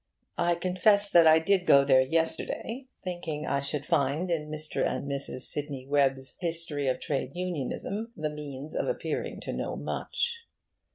I confess that I did go there yesterday, thinking I should find in Mr. and Mrs. Sidney Webb's 'History of Trade Unionism' the means of appearing to know much.